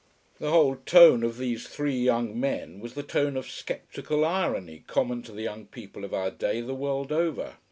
The whole tone of these three young men was the tone of sceptical irony common to the young people of our day the world over.